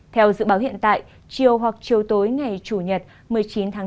theo dự báo hiện tại chiều hoặc chiều tối ngày chủ nhật một mươi chín tháng bốn